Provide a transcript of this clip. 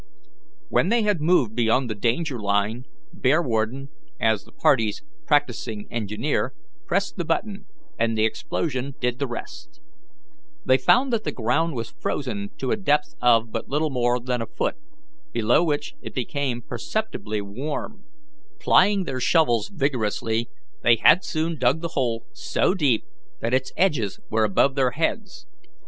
When they had moved beyond the danger line, Bearwarden, as the party's practising engineer, pressed the button, and the explosion did the rest. They found that the ground was frozen to a depth of but little more than a foot, below which it became perceptibly warm. Plying their shovels vigorously, they had soon dug the hole so deep that its edges were above their heads.